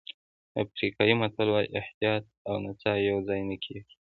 افریقایي متل وایي احتیاط او نڅا یوځای نه کېږي.